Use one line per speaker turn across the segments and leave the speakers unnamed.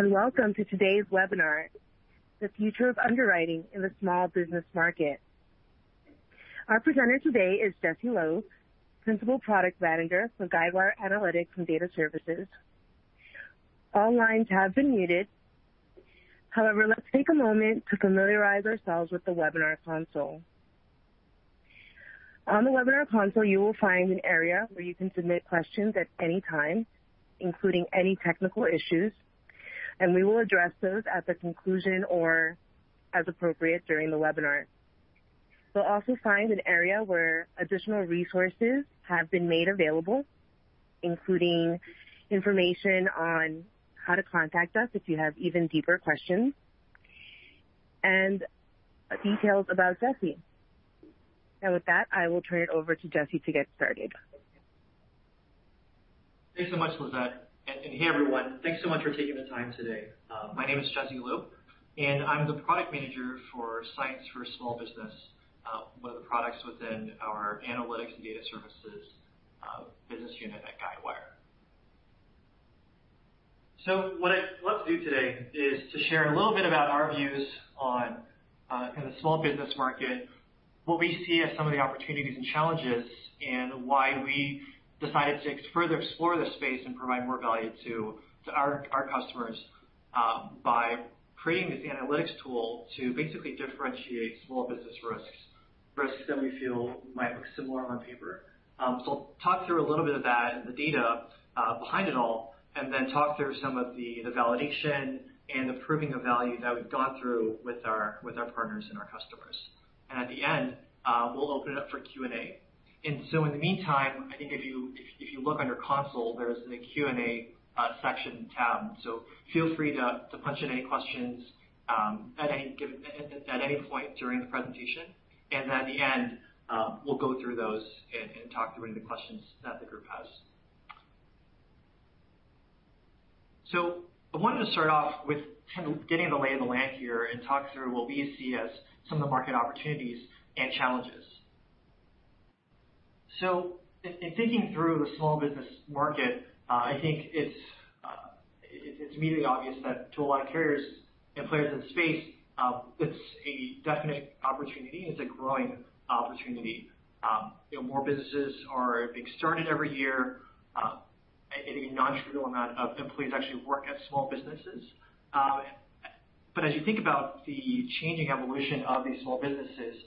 Hello, and welcome to today's webinar, The Future of Underwriting in the Small Business Market. Our presenter today is Jesse Lowe, Principal Product Manager for Guidewire Analytics and Data Services. All lines have been muted. However, let's take a moment to familiarize ourselves with the webinar console. On the webinar console, you will find an area where you can submit questions at any time, including any technical issues, and we will address those at the conclusion or as appropriate during the webinar. You'll also find an area where additional resources have been made available, including information on how to contact us if you have even deeper questions and details about Jesse, and with that, I will turn it over to Jesse to get started.
Thanks so much for that. And hey, everyone, thanks so much for taking the time today. My name is Jesse Lowe, and I'm the Product Manager for Cyence for Small Business, one of the products within our Analytics and Data Services business unit at Guidewire. So what I'd love to do today is to share a little bit about our views on the small business market, what we see as some of the opportunities and challenges, and why we decided to further explore this space and provide more value to our customers by creating this analytics tool to basically differentiate small business risks, risks that we feel might look similar on paper. So I'll talk through a little bit of that and the data behind it all, and then talk through some of the validation and the proving of value that we've gone through with our partners and our customers. At the end, we'll open it up for Q&A. In the meantime, I think if you look on your console, there's a Q&A section tab. Feel free to punch in any questions at any point during the presentation. At the end, we'll go through those and talk through any of the questions that the group has. I wanted to start off with getting the lay of the land here and talk through what we see as some of the market opportunities and challenges. In thinking through the small business market, I think it's immediately obvious that to a lot of carriers and players in the space, it's a definite opportunity. It's a growing opportunity. More businesses are being started every year. I think a non-trivial amount of employees actually work at small businesses. But as you think about the changing evolution of these small businesses,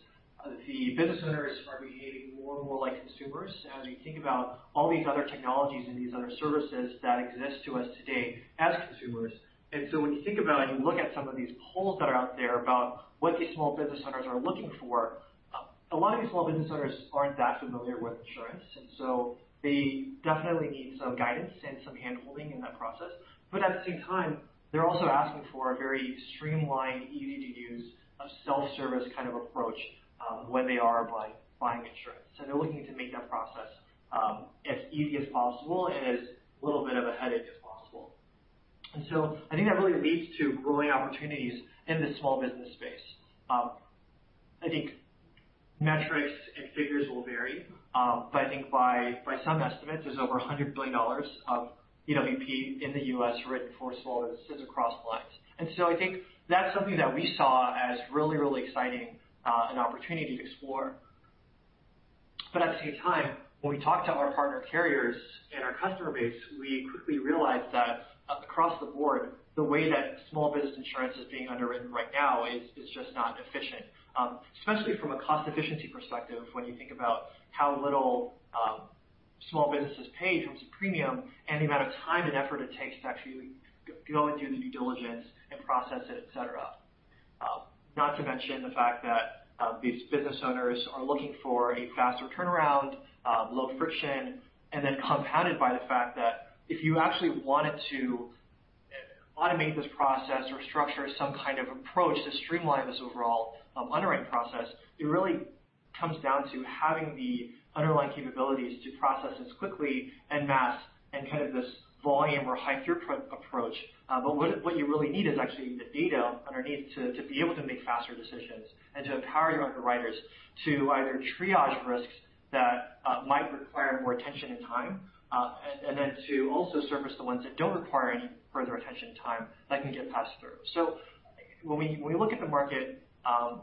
the business owners are behaving more and more like consumers as we think about all these other technologies and these other services that exist to us today as consumers. And so when you think about and you look at some of these polls that are out there about what these small business owners are looking for, a lot of these small business owners aren't that familiar with insurance. And so they definitely need some guidance and some hand-holding in that process. But at the same time, they're also asking for a very streamlined, easy-to-use, self-service kind of approach when they are buying insurance. So they're looking to make that process as easy as possible and as little bit of a headache as possible. And so I think that really leads to growing opportunities in the small business space. I think metrics and figures will vary, but I think by some estimates, there's over $100 billion of EWP in the U.S. written for small businesses across the lines, and so I think that's something that we saw as really, really exciting and an opportunity to explore, but at the same time, when we talk to our partner carriers and our customer base, we quickly realized that across the board, the way that small business insurance is being underwritten right now is just not efficient, especially from a cost-efficiency perspective when you think about how little small businesses pay in terms of premium and the amount of time and effort it takes to actually go and do the due diligence and process it, etc. Not to mention the fact that these business owners are looking for a faster turnaround, low friction, and then compounded by the fact that if you actually wanted to automate this process or structure some kind of approach to streamline this overall underwriting process, it really comes down to having the underlying capabilities to process this quickly en masse and kind of this volume or high-throughput approach. But what you really need is actually the data underneath to be able to make faster decisions and to empower your underwriters to either triage risks that might require more attention and time, and then to also surface the ones that don't require any further attention and time that can get passed through. So when we look at the market,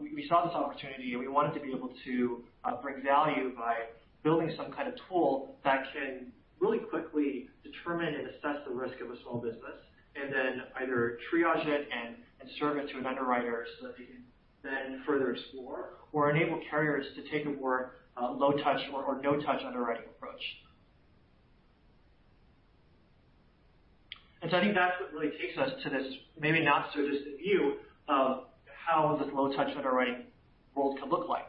we saw this opportunity. We wanted to be able to bring value by building some kind of tool that can really quickly determine and assess the risk of a small business and then either triage it and serve it to an underwriter so that they can then further explore or enable carriers to take a more low-touch or no-touch underwriting approach, and so I think that's what really takes us to this maybe not so distant view of how this low-touch underwriting world could look like.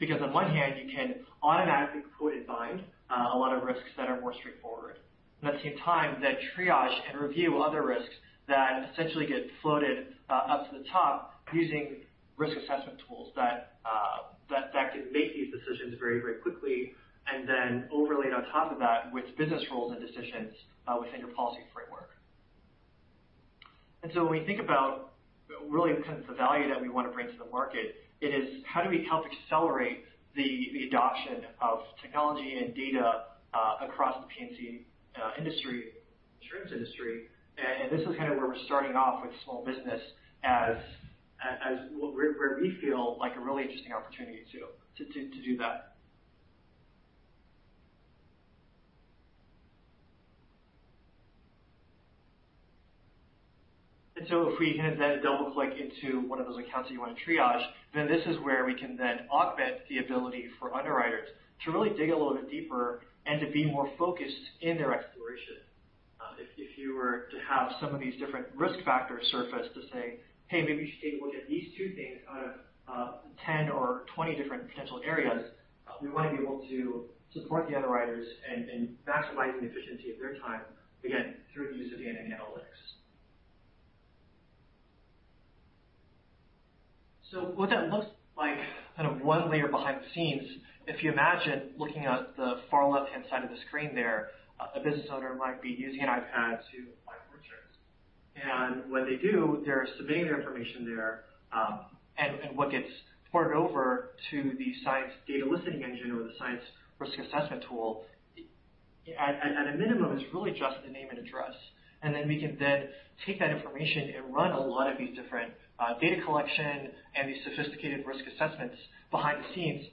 Because on one hand, you can automatically quote and bind a lot of risks that are more straightforward, and at the same time, then triage and review other risks that essentially get floated up to the top using risk assessment tools that can make these decisions very, very quickly and then overlaid on top of that with business rules and decisions within your policy framework. And so when we think about really kind of the value that we want to bring to the market, it is how do we help accelerate the adoption of technology and data across the P&C industry, insurance industry? And this is kind of where we're starting off with small business as where we feel like a really interesting opportunity to do that. And so if we can then double-click into one of those accounts that you want to triage, then this is where we can then augment the ability for underwriters to really dig a little bit deeper and to be more focused in their exploration. If you were to have some of these different risk factors surface to say, "Hey, maybe we should take a look at these two things out of 10 or 20 different potential areas," we want to be able to support the underwriters in maximizing the efficiency of their time, again, through the use of data and analytics. So what that looks like, kind of one layer behind the scenes, if you imagine looking at the far left-hand side of the screen there, a business owner might be using an iPad to buy insurance, and when they do, they're submitting their information there, and what gets ported over to the Science Data Listening Engine or the Science Risk Assessment Tool, at a minimum, is really just the name and address. And then we can take that information and run a lot of these different data collection and these sophisticated risk assessments behind the scenes,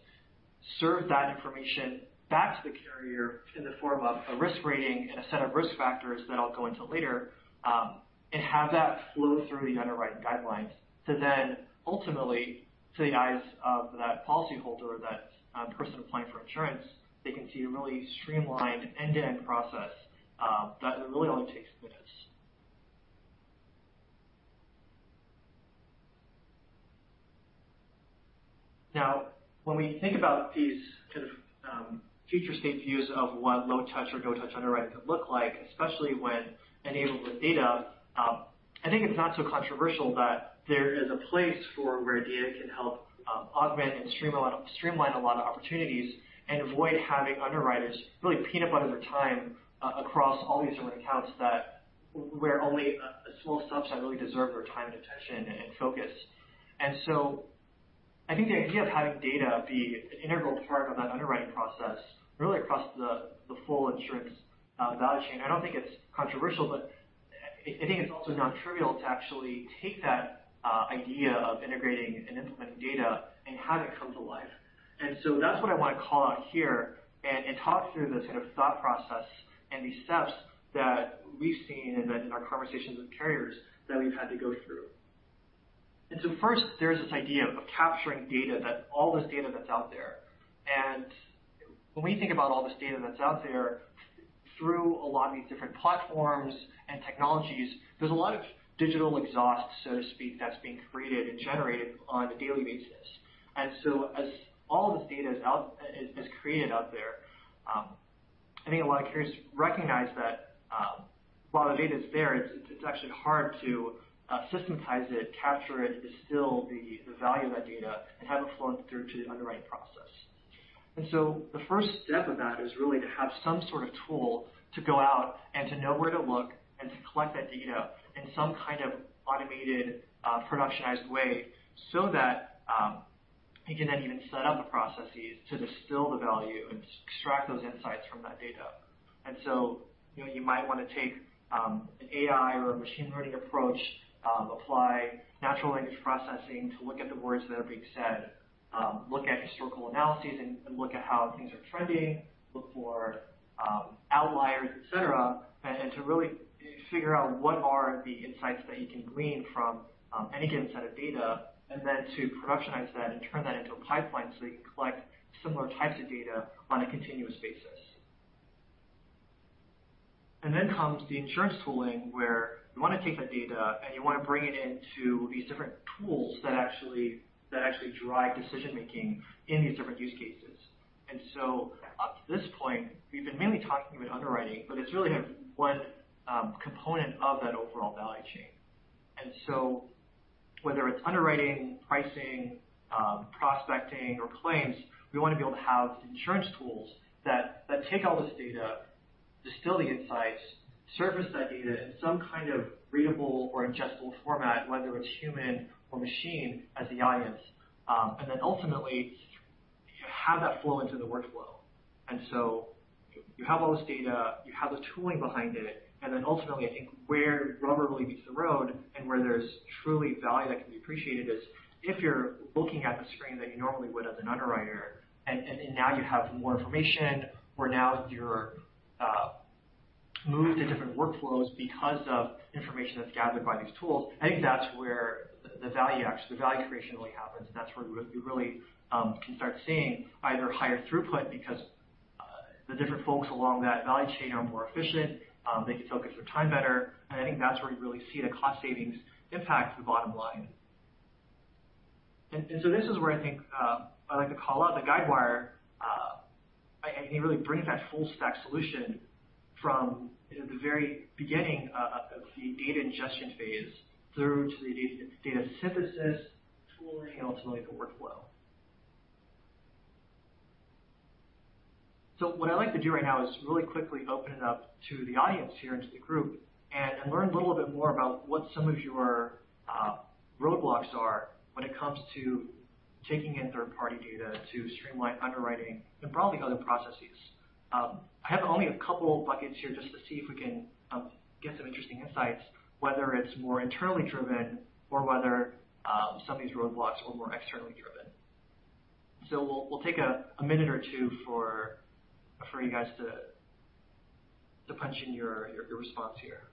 serve that information back to the carrier in the form of a risk rating and a set of risk factors that I'll go into later, and have that flow through the underwriting guidelines to then ultimately to the eyes of that policyholder, that person applying for insurance. They can see a really streamlined end-to-end process that really only takes minutes. Now, when we think about these kind of future state views of what low-touch or no-touch underwriting could look like, especially when enabled with data, I think it's not so controversial that there is a place for where data can help augment and streamline a lot of opportunities and avoid having underwriters really peeing up on their time across all these different accounts where only a small subset really deserves their time and attention and focus, and so I think the idea of having data be an integral part of that underwriting process really across the full insurance value chain. I don't think it's controversial, but I think it's also non-trivial to actually take that idea of integrating and implementing data and have it come to life. And so that's what I want to call out here and talk through this kind of thought process and these steps that we've seen in our conversations with carriers that we've had to go through. And so first, there's this idea of capturing data, all this data that's out there. And when we think about all this data that's out there through a lot of these different platforms and technologies, there's a lot of digital exhaust, so to speak, that's being created and generated on a daily basis. And so as all this data is created out there, I think a lot of carriers recognize that while the data is there, it's actually hard to systematize it, capture it, distill the value of that data, and have it flow through to the underwriting process. And so the first step of that is really to have some sort of tool to go out and to know where to look and to collect that data in some kind of automated, productionized way so that you can then even set up the processes to distill the value and extract those insights from that data. And so you might want to take an AI or a machine learning approach, apply natural language processing to look at the words that are being said, look at historical analyses and look at how things are trending, look for outliers, etc., and to really figure out what are the insights that you can glean from any given set of data, and then to productionize that and turn that into a pipeline so you can collect similar types of data on a continuous basis. And then comes the insurance tooling where you want to take that data and you want to bring it into these different tools that actually drive decision-making in these different use cases. And so up to this point, we've been mainly talking about underwriting, but it's really one component of that overall value chain. And so whether it's underwriting, pricing, prospecting, or claims, we want to be able to have insurance tools that take all this data, distill the insights, surface that data in some kind of readable or ingestible format, whether it's human or machine as the audience, and then ultimately have that flow into the workflow. And so you have all this data, you have the tooling behind it, and then ultimately, I think where rubber really meets the road and where there's truly value that can be appreciated is if you're looking at the screen that you normally would as an underwriter, and now you have more information or now you're moved to different workflows because of information that's gathered by these tools, I think that's where the value creation really happens. And that's where you really can start seeing either higher throughput because the different folks along that value chain are more efficient, they can focus their time better, and I think that's where you really see the cost savings impact the bottom line. And so this is where I think I'd like to call out the Guidewire. I think it really brings that full-stack solution from the very beginning of the data ingestion phase through to the data synthesis, tooling, and ultimately the workflow. So what I'd like to do right now is really quickly open it up to the audience here and to the group and learn a little bit more about what some of your roadblocks are when it comes to taking in third-party data to streamline underwriting and probably other processes. I have only a couple of buckets here just to see if we can get some interesting insights, whether it's more internally driven or whether some of these roadblocks are more externally driven. So we'll take a minute or two for you guys to punch in your response here.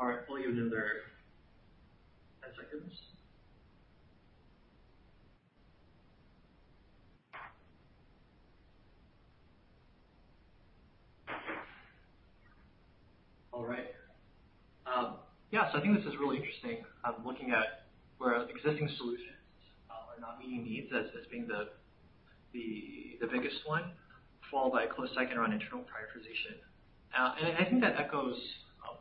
All right. I'll give them another 10 seconds. All right. Yeah. So I think this is really interesting. Looking at where existing solutions are not meeting needs as being the biggest one, followed by a close second around internal prioritization. And I think that echoes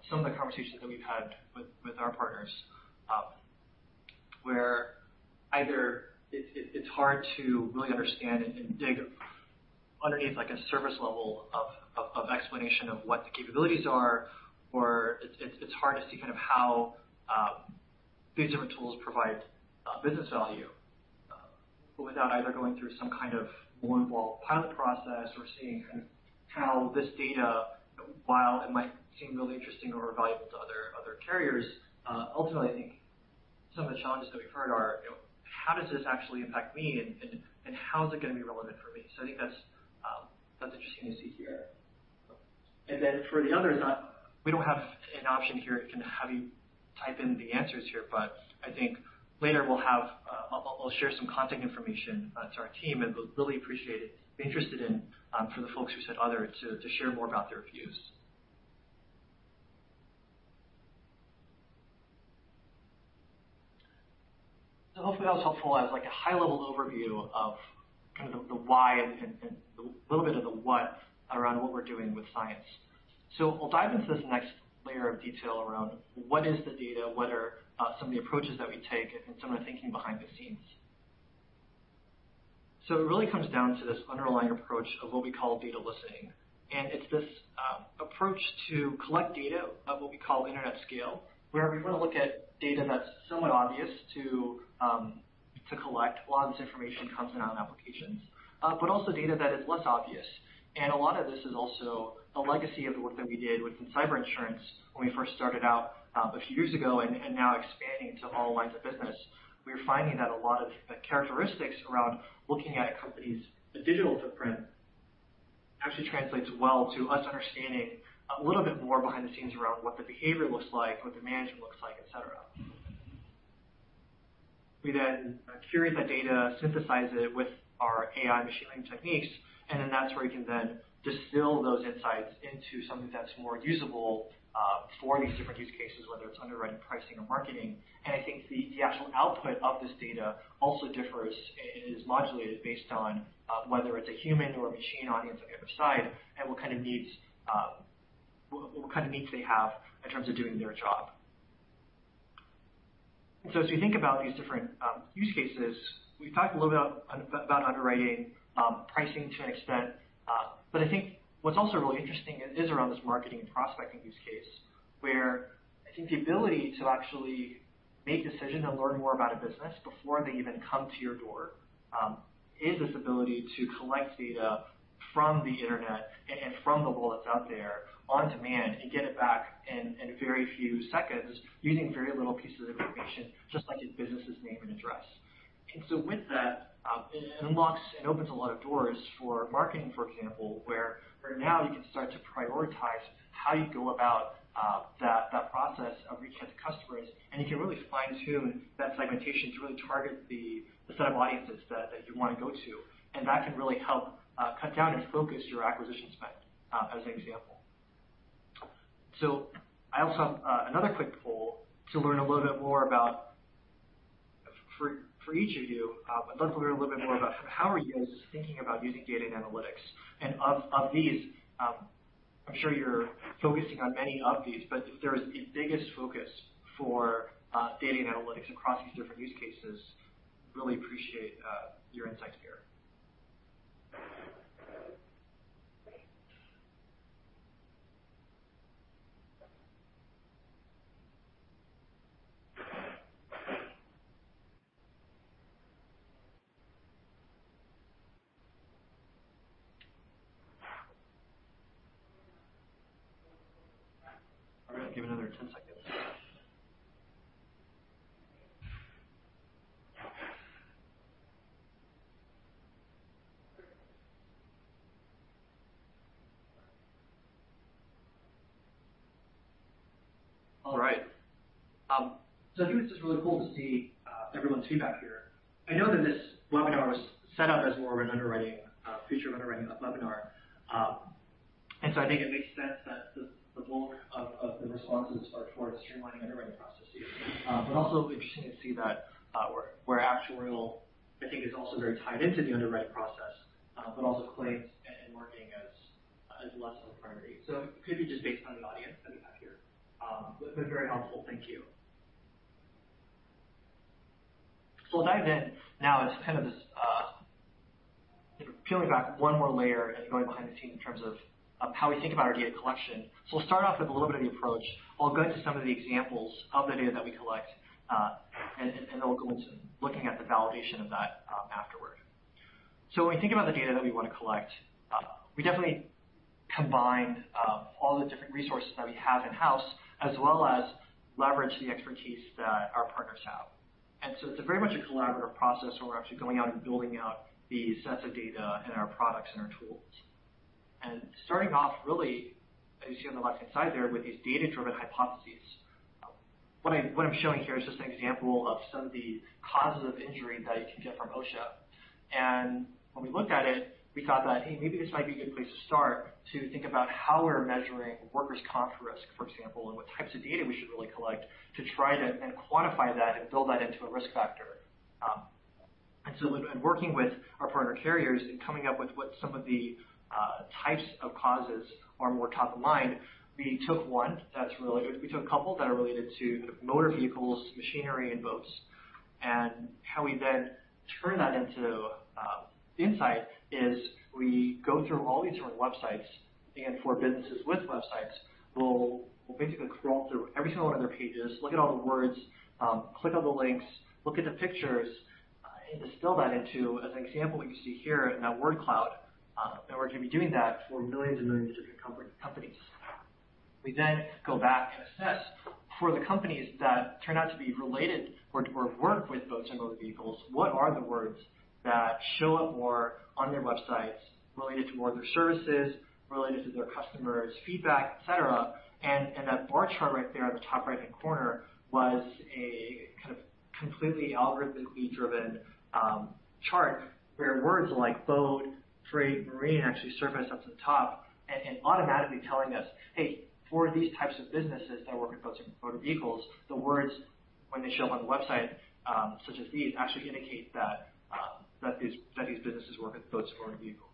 some of the conversations that we've had with our partners where either it's hard to really understand and dig underneath a surface level of explanation of what the capabilities are, or it's hard to see kind of how these different tools provide business value without either going through some kind of more involved pilot process or seeing kind of how this data, while it might seem really interesting or valuable to other carriers, ultimately, I think some of the challenges that we've heard are, "How does this actually impact me? And how is it going to be relevant for me?" So I think that's interesting to see here. And then for the others, we don't have an option here. I can have you type in the answers here, but I think later we'll share some contact information to our team, and we'd really appreciate it, be interested in for the folks who said other to share more about their views. So hopefully, that was helpful as a high-level overview of kind of the why and a little bit of the what around what we're doing with Science. So I'll dive into this next layer of detail around what is the data, what are some of the approaches that we take, and some of the thinking behind the scenes. So it really comes down to this underlying approach of what we call Data Listening. And it's this approach to collect data at what we call internet scale, where we want to look at data that's somewhat obvious to collect a lot of this information that comes in on applications, but also data that is less obvious. And a lot of this is also a legacy of the work that we did within cyber insurance when we first started out a few years ago and now expanding to all lines of business. We're finding that a lot of the characteristics around looking at a company's digital footprint actually translates well to us understanding a little bit more behind the scenes around what the behavior looks like, what the management looks like, etc. We then curate that data, synthesize it with our AI machine learning techniques, and then that's where we can then distill those insights into something that's more usable for these different use cases, whether it's underwriting, pricing, or marketing, and I think the actual output of this data also differs and is modulated based on whether it's a human or a machine audience on the other side and what kind of needs they have in terms of doing their job. And so, as we think about these different use cases, we've talked a little bit about underwriting, pricing to an extent, but I think what's also really interesting is around this marketing and prospecting use case, where I think the ability to actually make decisions and learn more about a business before they even come to your door is this ability to collect data from the internet and from the world that's out there on demand and get it back in very few seconds using very little pieces of information, just like a business's name and address. And so with that, it unlocks and opens a lot of doors for marketing, for example, where now you can start to prioritize how you go about that process of reaching out to customers, and you can really fine-tune that segmentation to really target the set of audiences that you want to go to. And that can really help cut down and focus your acquisition spend, as an example. So I also have another quick poll to learn a little bit more about for each of you. I'd love to learn a little bit more about how are you guys thinking about using data and analytics. And of these, I'm sure you're focusing on many of these, but if there is a biggest focus for data and analytics across these different use cases, really appreciate your insight here. All right. I'll give another 10 seconds. All right. I think it's just really cool to see everyone's feedback here. I know that this webinar was set up as more of an underwriting-focused underwriting webinar. I think it makes sense that the bulk of the responses are towards streamlining underwriting processes. Also interesting to see that that actuarial, I think, is also very tied into the underwriting process, but also claims and marketing as less of a priority. It could be just based on the audience that we have here, but very helpful. Thank you. I'll dive in now. It's kind of this peeling back one more layer and going behind the scenes in terms of how we think about our data collection. We'll start off with a little bit of the approach. I'll go into some of the examples of the data that we collect, and then we'll go into looking at the validation of that afterward, so when we think about the data that we want to collect, we definitely combine all the different resources that we have in-house as well as leverage the expertise that our partners have, and so it's very much a collaborative process where we're actually going out and building out these sets of data and our products and our tools, and starting off, really, as you see on the left-hand side there with these data-driven hypotheses, what I'm showing here is just an example of some of the causes of injury that you can get from OSHA. And when we looked at it, we thought that, "Hey, maybe this might be a good place to start to think about how we're measuring workers' comp risk, for example, and what types of data we should really collect to try to quantify that and build that into a risk factor." And so in working with our partner carriers and coming up with what some of the types of causes are more top of mind, we took one that's related. We took a couple that are related to motor vehicles, machinery, and boats. And how we then turn that into insight is we go through all these different websites, and for businesses with websites, we'll basically crawl through every single one of their pages, look at all the words, click on the links, look at the pictures, and distill that into, as an example, what you see here in that word cloud. And we're going to be doing that for millions and millions of different companies. We then go back and assess for the companies that turn out to be related or work with boats and motor vehicles what are the words that show up more on their websites related to more of their services, related to their customers' feedback, etc. That bar chart right there in the top right-hand corner was a kind of completely algorithmically driven chart where words like boat, freight, marine actually surface up to the top and automatically telling us, "Hey, for these types of businesses that work with boats and motor vehicles, the words, when they show up on the website such as these, actually indicate that these businesses work with boats and motor vehicles."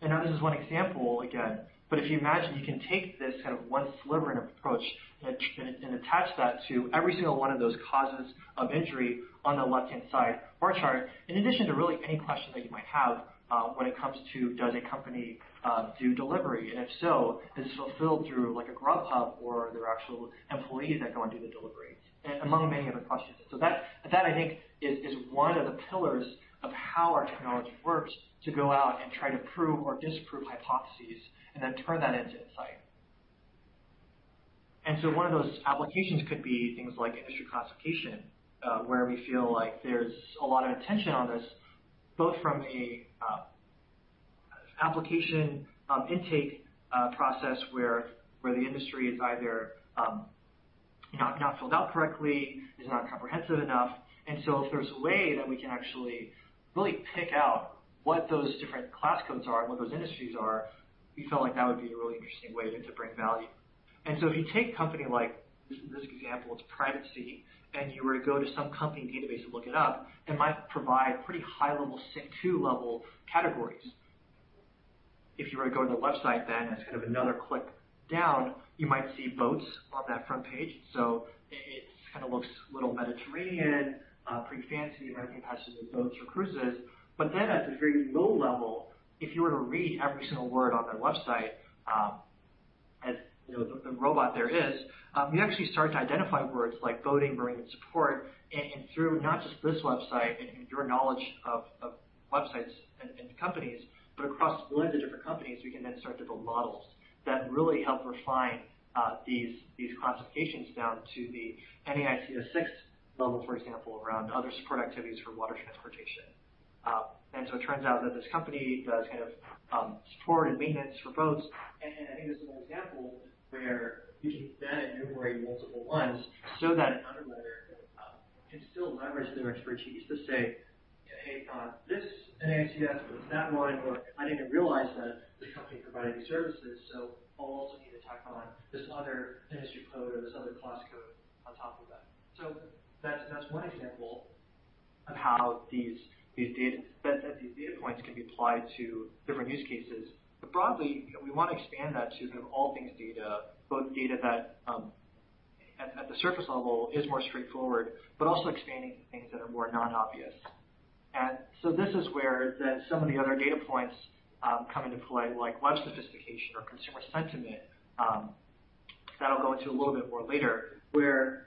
And now this is one example, again. But if you imagine you can take this kind of one-sliver approach and attach that to every single one of those causes of injury on the left-hand side bar chart, in addition to really any question that you might have when it comes to, "Does a company do delivery?" And if so, is it fulfilled through a Grubhub or their actual employees that go and do the delivery, among many other questions. And so that, I think, is one of the pillars of how our technology works to go out and try to prove or disprove hypotheses and then turn that into insight. And so one of those applications could be things like industry classification, where we feel like there's a lot of attention on this, both from the application intake process where the industry is either not filled out correctly, is not comprehensive enough. And so if there's a way that we can actually really pick out what those different class codes are, what those industries are, we feel like that would be a really interesting way to bring value. And so if you take a company like this example, it's privacy, and you were to go to some company database and look it up, it might provide pretty high-level, SIC 2-level categories. If you were to go to the website, then as kind of another click down, you might see boats on that front page. So it kind of looks a little Mediterranean, pretty fancy, but I think it has to do with boats or cruises. But then at the very low level, if you were to read every single word on their website, as the robot there is, you actually start to identify words like boating, marine, and support. And through not just this website and your knowledge of websites and companies, but across a blend of different companies, we can then start to build models that really help refine these classifications down to the NAICS 6 level, for example, around other support activities for water transportation. And so it turns out that this company does kind of support and maintenance for boats. I think this is an example where you can then enumerate multiple ones so that an underwriter can still leverage their expertise to say, "Hey, this NAICS was that one," or, "I didn't realize that this company provided these services, so I'll also need to tack on this other industry code or this other class code on top of that." That's one example of how these data points can be applied to different use cases. Broadly, we want to expand that to kind of all things data, both data that at the surface level is more straightforward, but also expanding to things that are more non-obvious. So this is where then some of the other data points come into play, like web sophistication or consumer sentiment, that I'll go into a little bit more later, where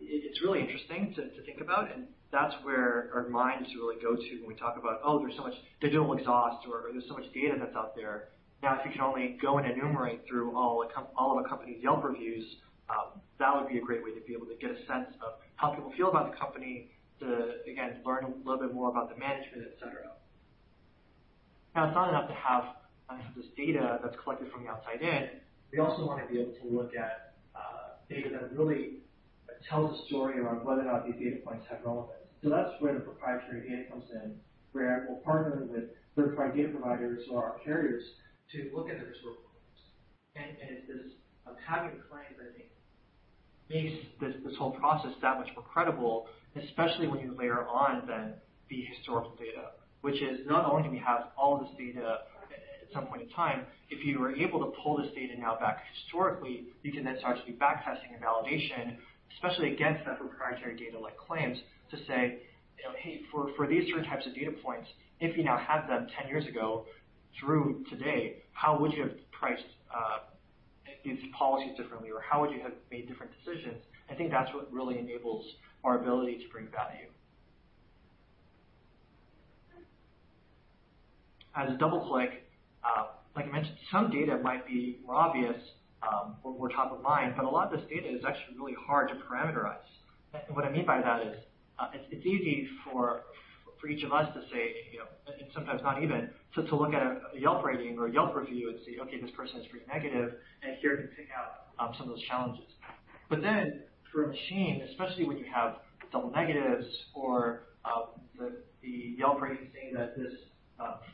it's really interesting to think about. And that's where our minds really go to when we talk about, "Oh, there's so much digital exhaust," or, "There's so much data that's out there." Now, if you can only go and enumerate through all of a company's Yelp reviews, that would be a great way to be able to get a sense of how people feel about the company, to, again, learn a little bit more about the management, etc. Now, it's not enough to have this data that's collected from the outside in. We also want to be able to look at data that really tells a story around whether or not these data points have relevance. So that's where the proprietary data comes in, where we're partnering with third-party data providers who are our carriers to look at the historical data. It's this having claims, I think, that makes this whole process that much more credible, especially when you layer on then the historical data, which is not only do we have all this data at some point in time. If you are able to pull this data now back historically, you can then start to do backtesting and validation, especially against that proprietary data like claims to say, "Hey, for these certain types of data points, if you now had them 10 years ago through today, how would you have priced these policies differently?" Or, "How would you have made different decisions?" I think that's what really enables our ability to bring value. As a double-click, like I mentioned, some data might be more obvious or more top of mind, but a lot of this data is actually really hard to parameterize. What I mean by that is it's easy for each of us to say, and sometimes not even, to look at a Yelp rating or a Yelp review and say, "Okay, this person is pretty negative," and we can pick out some of those challenges. But then for a machine, especially when you have double negatives or the Yelp rating saying that this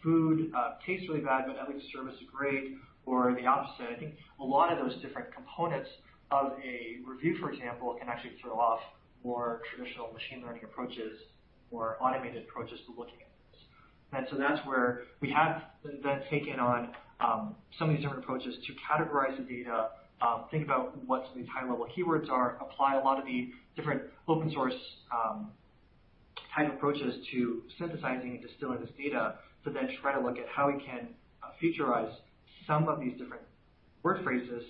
food tastes really bad, but at least service is great, or the opposite, I think a lot of those different components of a review, for example, can actually throw off more traditional machine learning approaches or automated approaches to looking at this. That's where we have then taken on some of these different approaches to categorize the data, think about what some of these high-level keywords are, apply a lot of the different open-source type approaches to synthesizing and distilling this data to then try to look at how we can featurize some of these different word phrases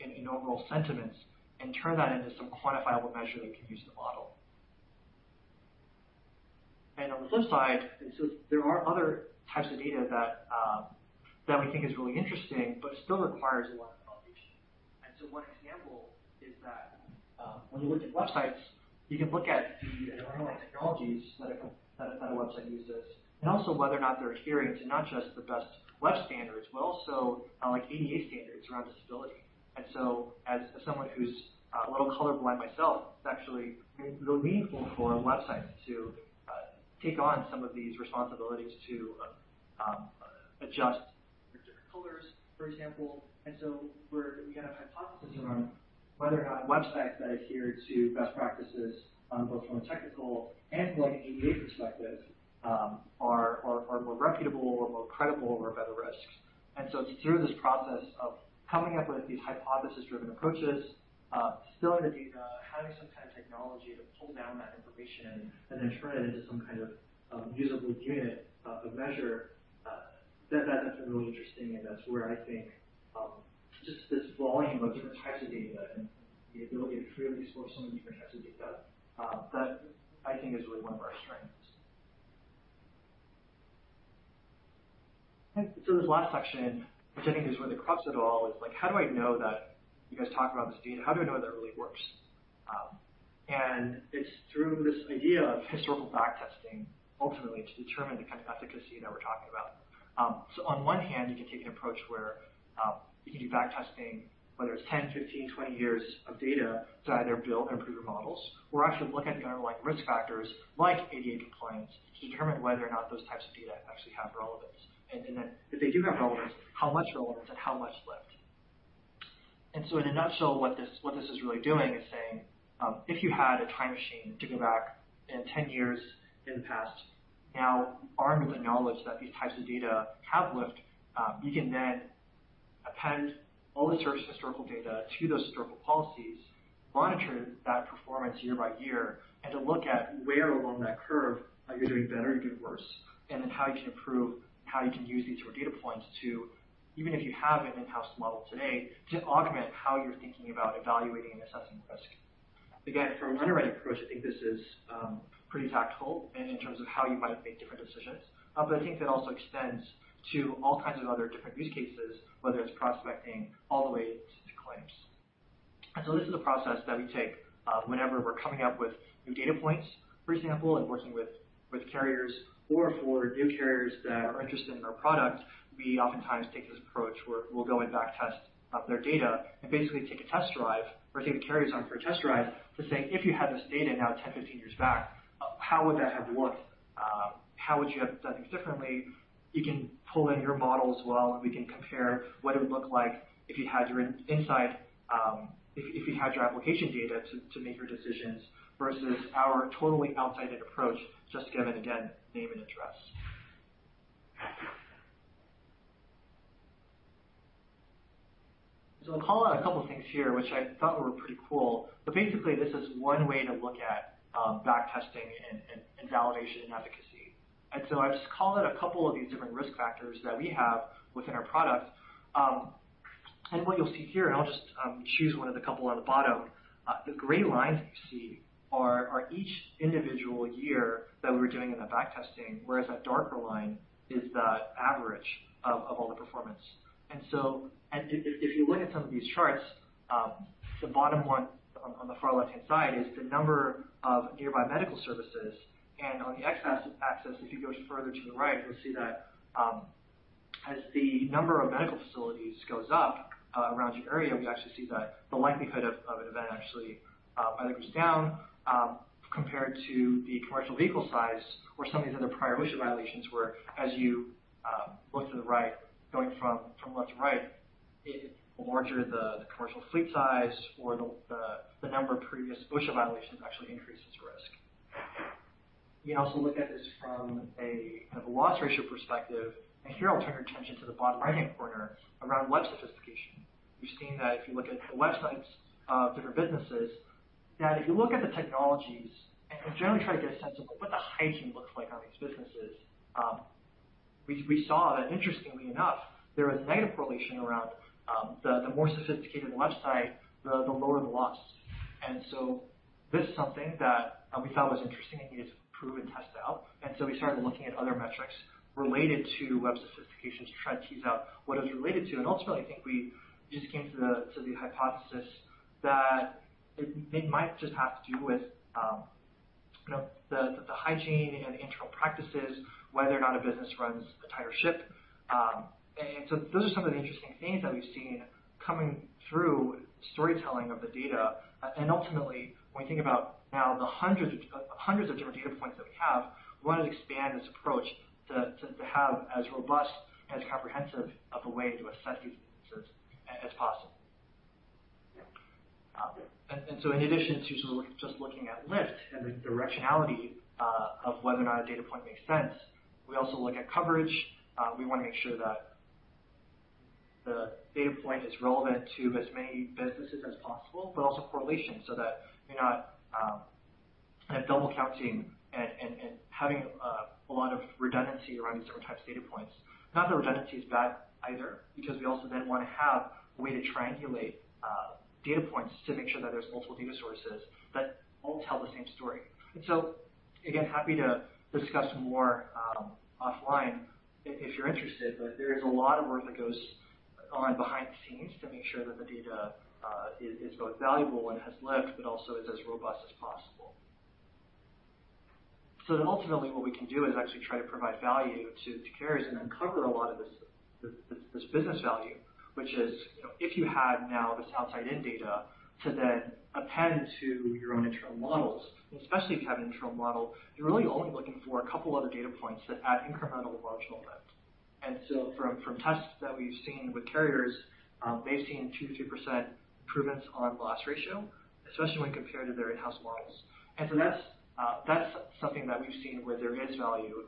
and overall sentiments and turn that into some quantifiable measure that can use the model. On the flip side, there are other types of data that we think is really interesting, but still requires a lot of validation. One example is that when you look at websites, you can look at the environmental technologies that a website uses and also whether or not they're adhering to not just the best web standards, but also ADA standards around disability. And so as someone who's a little colorblind myself, it's actually really meaningful for websites to take on some of these responsibilities to adjust their different colors, for example. And so we have a hypothesis around whether or not websites that adhere to best practices, both from a technical and from an ADA perspective, are more reputable or more credible or better risk. And so it's through this process of coming up with these hypothesis-driven approaches, distilling the data, having some kind of technology to pull down that information and then turn it into some kind of usable unit of measure that's been really interesting. And that's where I think just this volume of different types of data and the ability to freely source some of the different types of data that I think is really one of our strengths. And so this last section, which I think is where the crux of it all is, how do I know that you guys talk about this data? How do I know that it really works? And it's through this idea of historical backtesting, ultimately, to determine the kind of efficacy that we're talking about. So on one hand, you can take an approach where you can do backtesting, whether it's 10, 15, 20 years of data to either build or improve your models, or actually look at the underlying risk factors like ADA compliance to determine whether or not those types of data actually have relevance. And then if they do have relevance, how much relevance and how much lift. And so in a nutshell, what this is really doing is saying if you had a time machine to go back 10 years in the past, now armed with the knowledge that these types of data have lift, you can then append all the historical data to those historical policies, monitor that performance year by year, and to look at where along that curve you're doing better or you're doing worse, and then how you can improve and how you can use these data points to, even if you have an in-house model today, to augment how you're thinking about evaluating and assessing risk. Again, for an underwriting approach, I think this is pretty tactful in terms of how you might make different decisions. But I think that also extends to all kinds of other different use cases, whether it's prospecting all the way to claims. And so this is a process that we take whenever we're coming up with new data points, for example, and working with carriers. Or for new carriers that are interested in our product, we oftentimes take this approach where we'll go and backtest their data and basically take a test drive or take the carriers on for a test drive to say, "If you had this data now 10, 15 years back, how would that have looked? How would you have done things differently?" You can pull in your model as well, and we can compare what it would look like if you had your insight, if you had your application data to make your decisions versus our totally outside-in approach, just given, again, name and address. So I'll call out a couple of things here, which I thought were pretty cool. But basically, this is one way to look at backtesting and validation and efficacy. And so I've just called out a couple of these different risk factors that we have within our product. And what you'll see here, and I'll just choose one of the couple on the bottom, the gray lines that you see are each individual year that we were doing in the backtesting, whereas that darker line is the average of all the performance. And so if you look at some of these charts, the bottom one on the far left-hand side is the number of nearby medical services. On the X-axis, if you go further to the right, you'll see that as the number of medical facilities goes up around your area, we actually see that the likelihood of an event actually either goes down compared to the commercial vehicle size or some of these other prior OSHA violations where, as you look to the right, going from left to right, the larger the commercial fleet size or the number of previous OSHA violations actually increases risk. You can also look at this from a loss ratio perspective. Here, I'll turn your attention to the bottom right-hand corner around Web Sophistication. We've seen that if you look at the websites of different businesses, that if you look at the technologies and generally try to get a sense of what the hygiene looks like on these businesses, we saw that, interestingly enough, there was negative correlation around the more sophisticated website, the lower the loss, and so this is something that we thought was interesting and needed to prove and test out, and so we started looking at other metrics related to web sophistication to try to tease out what it was related to. And ultimately, I think we just came to the hypothesis that it might just have to do with the hygiene and internal practices, whether or not a business runs a tighter ship, and so those are some of the interesting things that we've seen coming through storytelling of the data. Ultimately, when we think about now the hundreds of different data points that we have, we want to expand this approach to have as robust and as comprehensive of a way to assess these businesses as possible. So in addition to just looking at lift and the directionality of whether or not a data point makes sense, we also look at coverage. We want to make sure that the data point is relevant to as many businesses as possible, but also correlation so that we're not double-counting and having a lot of redundancy around these different types of data points. Not that redundancy is bad either, because we also then want to have a way to triangulate data points to make sure that there's multiple data sources that all tell the same story. And so, again, happy to discuss more offline if you're interested, but there is a lot of work that goes on behind the scenes to make sure that the data is both valuable and has lift, but also is as robust as possible. So ultimately, what we can do is actually try to provide value to carriers and then cover a lot of this business value, which is if you had now this outside-in data to then append to your own internal models, especially if you have an internal model, you're really only looking for a couple of other data points that add incremental marginal lift. And so from tests that we've seen with carriers, they've seen 2%-3% improvements on loss ratio, especially when compared to their in-house models. And so that's something that we've seen where there is value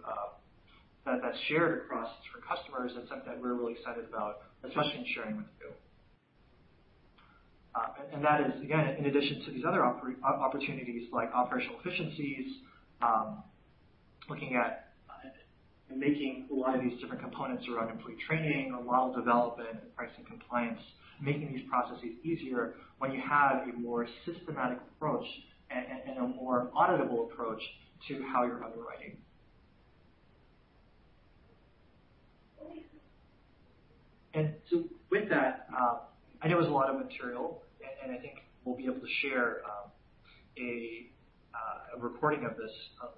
that's shared across different customers and something that we're really excited about, especially in sharing with you. And that is, again, in addition to these other opportunities like operational efficiencies, looking at making a lot of these different components around employee training, model development, and pricing compliance, making these processes easier when you have a more systematic approach and a more auditable approach to how you're underwriting. And so with that, I know it was a lot of material, and I think we'll be able to share a recording of this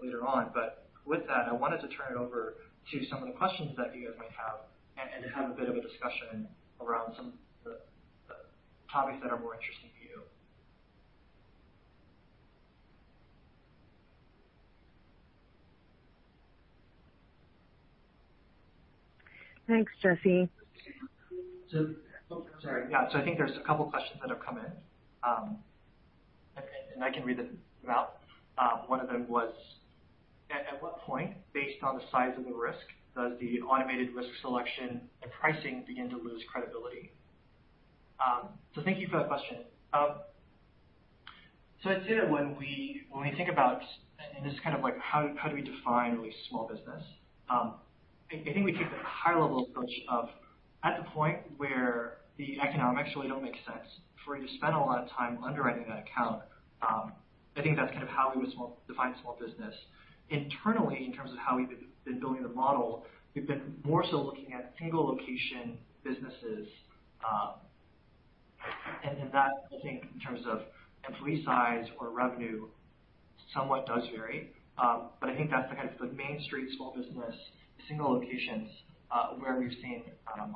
later on. But with that, I wanted to turn it over to some of the questions that you guys might have and have a bit of a discussion around some of the topics that are more interesting to you.
Thanks, Jesse. So I'm sorry. Yeah. So I think there's a couple of questions that have come in, and I can read them out. One of them was, at what point, based on the size of the risk, does the automated risk selection and pricing begin to lose credibility? So thank you for that question. So I'd say that when we think about, and this is kind of like, how do we define really small business? I think we take the high-level approach of at the point where the economics really don't make sense for you to spend a lot of time underwriting that account. I think that's kind of how we would define small business. Internally, in terms of how we've been building the model, we've been more so looking at single-location businesses. And that, I think, in terms of employee size or revenue, somewhat does vary. But I think that's the kind of the main street small business, single locations where we've seen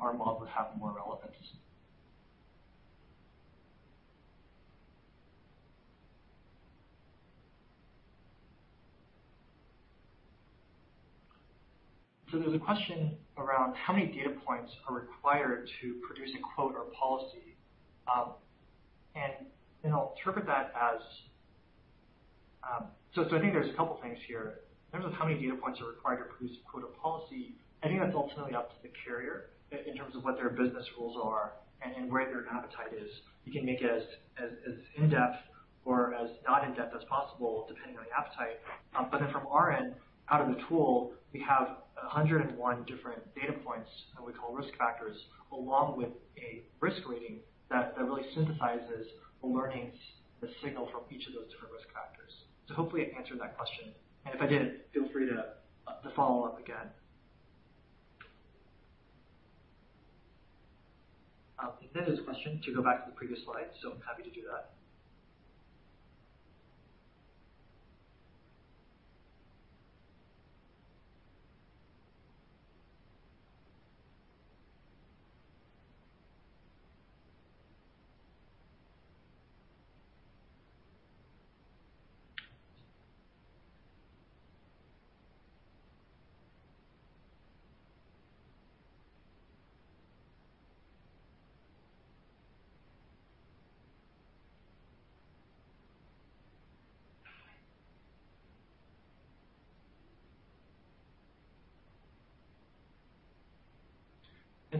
our model have more relevance. So there's a question around how many data points are required to produce a quote or policy. And I'll interpret that as, so I think there's a couple of things here. In terms of how many data points are required to produce a quote or policy, I think that's ultimately up to the carrier in terms of what their business rules are and where their appetite is. You can make it as in-depth or as not in-depth as possible, depending on the appetite. But then from our end, out of the tool, we have 101 different data points that we call risk factors, along with a risk rating that really synthesizes the learnings and the signal from each of those different risk factors. Hopefully, it answered that question. If I didn't, feel free to follow up again. Then there's a question to go back to the previous slide, so I'm happy to do that.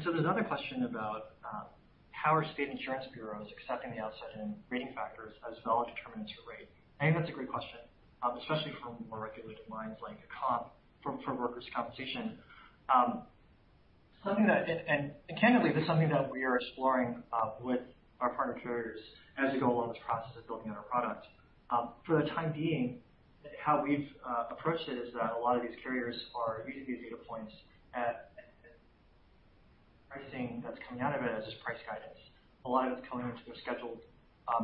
There's another question about how are state insurance bureaus accepting the outside-in rating factors as valid determinants for rate? I think that's a great question, especially from more regulated lines like workers' comp for workers' compensation. Candidly, this is something that we are exploring with our partner carriers as we go along this process of building out our product. For the time being, how we've approached it is that a lot of these carriers are using these data points at pricing that's coming out of it as just price guidance. A lot of it's going into the scheduled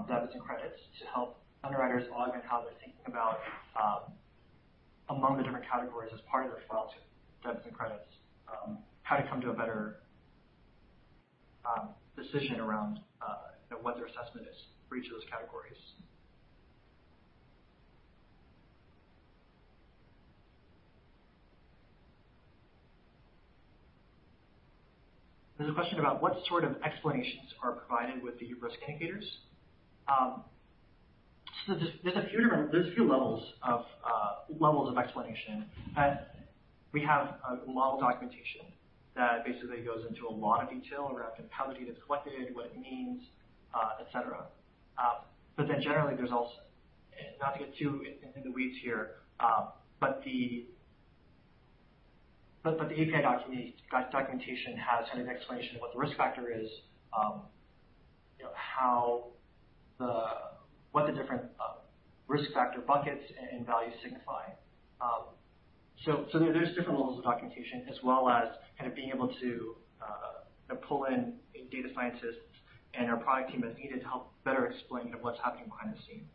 debit and credits to help underwriters augment how they're thinking about among the different categories as part of their filed debit and credits, how to come to a better decision around what their assessment is for each of those categories. There's a question about what sort of explanations are provided with the risk indicators. So there's a few levels of explanation. We have a model documentation that basically goes into a lot of detail around how the data is collected, what it means, etc. But then generally, there's also, not to get too in the weeds here, but the API documentation has kind of an explanation of what the risk factor is, what the different risk factor buckets and values signify. So there's different levels of documentation, as well as kind of being able to pull in data scientists and our product team as needed to help better explain what's happening behind the scenes.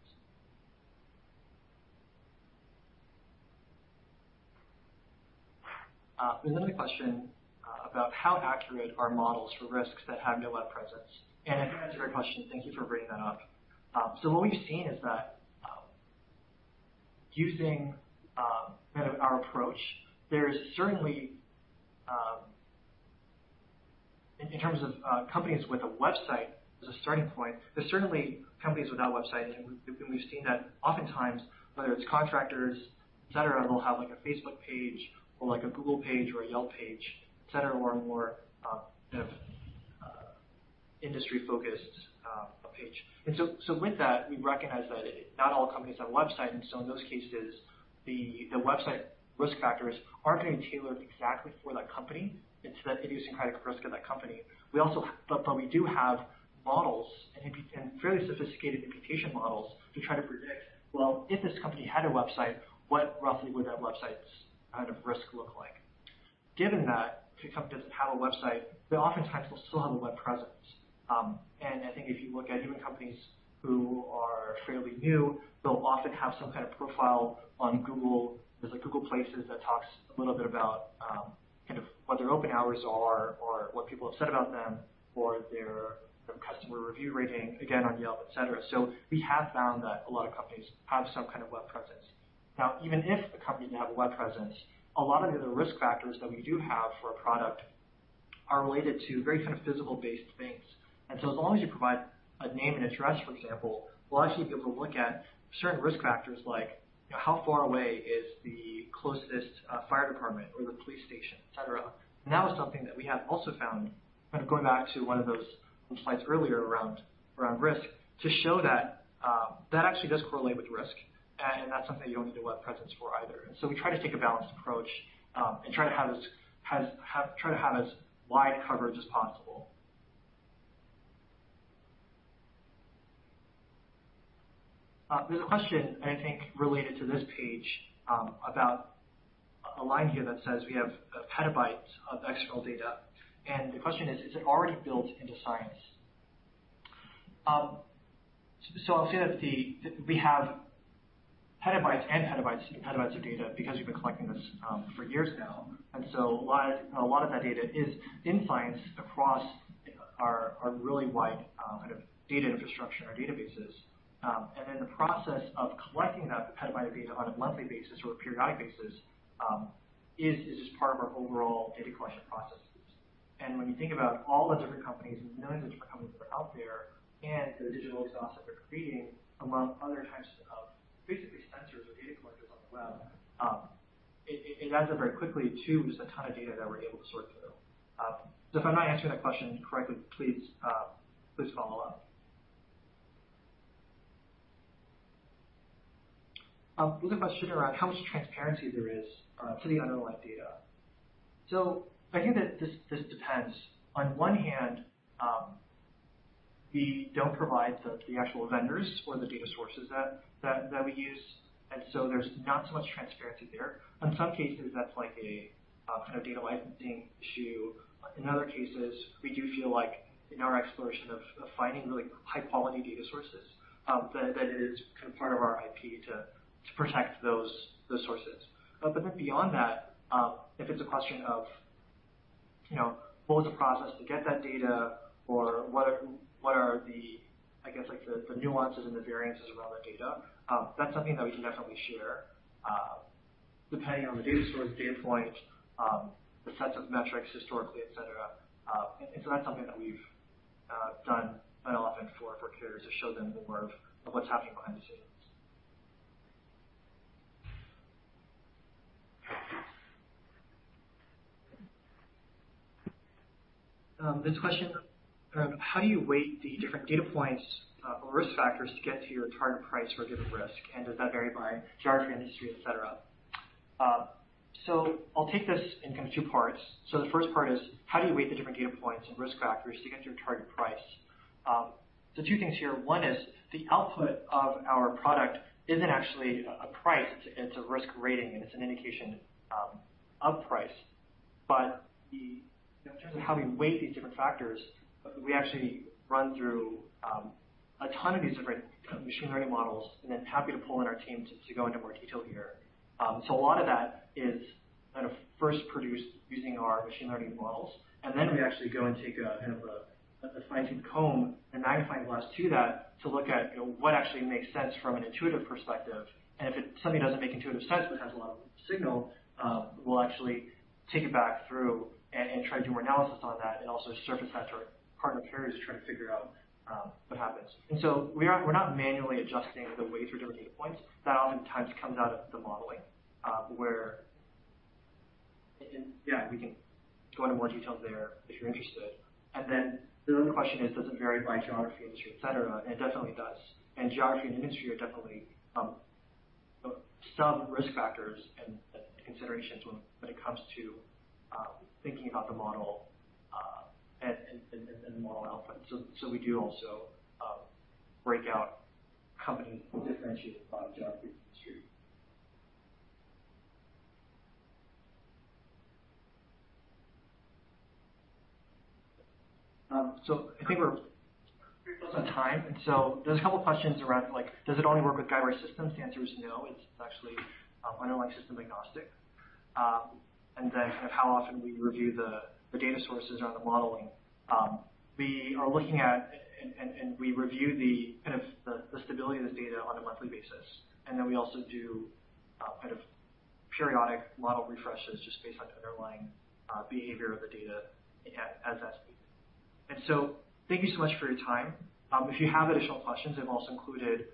There's another question about how accurate are models for risks that have no web presence. And I think that's a great question. Thank you for bringing that up. So what we've seen is that using kind of our approach, there's certainly, in terms of companies with a website as a starting point, there's certainly companies without a website. And we've seen that oftentimes, whether it's contractors, etc., they'll have a Facebook page or a Google page or a Yelp page, etc., or a more kind of industry-focused page. And so with that, we recognize that not all companies have a website. In those cases, the website risk factors aren't going to be tailored exactly for that company. It's that idiosyncratic risk of that company. We do have models and fairly sophisticated imputation models to try to predict, well, if this company had a website, what roughly would that website's kind of risk look like? Given that, if a company doesn't have a website, they oftentimes will still have a web presence. I think if you look at even companies who are fairly new, they'll often have some kind of profile on Google. There's a Google Places that talks a little bit about kind of what their open hours are or what people have said about them or their customer review rating, again, on Yelp, etc. We have found that a lot of companies have some kind of web presence. Now, even if a company didn't have a web presence, a lot of the other risk factors that we do have for a product are related to very kind of physical-based things. And so as long as you provide a name and address, for example, we'll actually be able to look at certain risk factors like how far away is the closest fire department or the police station, etc. And that was something that we have also found, kind of going back to one of those slides earlier around risk, to show that that actually does correlate with risk. And that's something you don't need a web presence for either. And so we try to take a balanced approach and try to have as wide coverage as possible. There's a question, I think, related to this page about a line here that says we have petabytes of external data. And the question is, is it already built into Science? So I'll say that we have petabytes and petabytes and petabytes of data because we've been collecting this for years now. And so a lot of that data is in Science across our really wide kind of data infrastructure and our databases. And then the process of collecting that petabyte of data on a monthly basis or a periodic basis is just part of our overall data collection process. And when you think about all the different companies and millions of different companies that are out there and the digital exhaust that they're creating among other types of basically sensors or data collectors on the web, it adds up very quickly to just a ton of data that we're able to sort through. So if I'm not answering that question correctly, please follow up. There's a question around how much transparency there is to the underlying data. So I think that this depends. On one hand, we don't provide the actual vendors or the data sources that we use. And so there's not so much transparency there. In some cases, that's like a kind of data licensing issue. In other cases, we do feel like in our exploration of finding really high-quality data sources, that it is kind of part of our IP to protect those sources. But then beyond that, if it's a question of what was the process to get that data or what are the, I guess, the nuances and the variances around that data, that's something that we can definitely share. Depending on the data source standpoint, the sets of metrics historically, etc. And so that's something that we've done often for carriers to show them more of what's happening behind the scenes. This question around how do you weight the different data points or risk factors to get to your target price for a given risk? And does that vary by geography, industry, etc.? So I'll take this in kind of two parts. So the first part is, how do you weight the different data points and risk factors to get to your target price? So two things here. One is the output of our product isn't actually a price. It's a risk rating, and it's an indication of price. But in terms of how we weight these different factors, we actually run through a ton of these different machine learning models, and then happy to pull in our team to go into more detail here. So a lot of that is kind of first produced using our machine learning models. And then we actually go and take kind of a fine-toothed comb and magnifying glass to that to look at what actually makes sense from an intuitive perspective. And if something doesn't make intuitive sense but has a lot of signal, we'll actually take it back through and try to do more analysis on that and also surface that to our partner carriers to try to figure out what happens. And so we're not manually adjusting the weights for different data points. That oftentimes comes out of the modeling where, yeah, we can go into more details there if you're interested. And then the other question is, does it vary by geography, industry, etc.? And it definitely does. Geography and industry are definitely some risk factors and considerations when it comes to thinking about the model and the model output. So we do also break out companies differentiated by geography and industry. So I think we're close on time. And so there's a couple of questions around, does it only work with Guidewire systems? The answer is no. It's actually underlying system agnostic. And then kind of how often we review the data sources around the modeling. We are looking at, and we review the kind of stability of this data on a monthly basis. And then we also do kind of periodic model refreshes just based on underlying behavior of the data as that's needed. And so thank you so much for your time. If you have additional questions, I've also included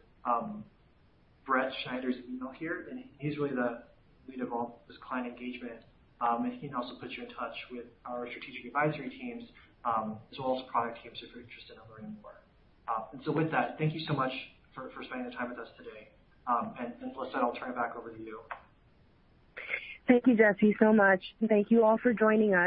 Brett Schneider's email here. And he's really the lead of all this client engagement. And he can also put you in touch with our strategic advisory teams as well as product teams if you're interested in learning more. And so with that, thank you so much for spending the time with us today. And like I said, I'll turn it back over to you.
Thank you, Jesse, so much. And thank you all for joining us.